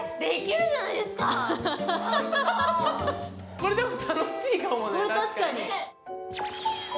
これ、でも楽しいかもね、確かに。